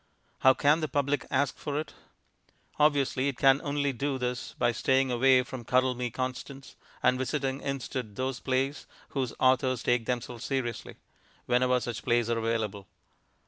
How can the public ask for it? Obviously it can only do this by staying away from Cuddle Me, Constance, and visiting instead those plays whose authors take themselves seriously, whenever such plays are available.